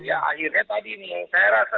ya akhirnya tadi nih saya rasa